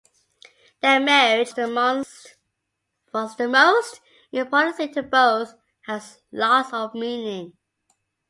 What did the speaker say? Their marriage, once the most important thing to both, has lost all meaning.